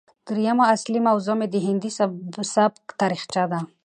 درييمه اصلي موضوع مې د هندي سبک تاريخچه ده